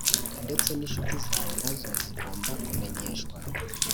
Ndetse ninshuti zawe nazo zigomba kumenyeshwa